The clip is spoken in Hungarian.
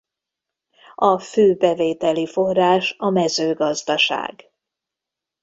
A fő bevételi forrás a mezőgazdaság.